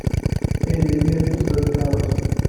Aydi-nni yeḍḍes deg tkeṛṛust.